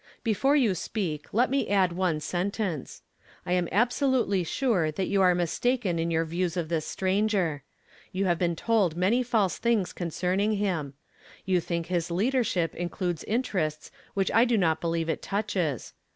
Before you speak, let me add one sentence. I am absolutely sure that you are mistaken in your It 274 YESTEllDAY FllAMED IN TO DAV. views of this stranger. You havr been told nmny false things concerning him. You tliink his leader ship includes interests which I do not believe it touches.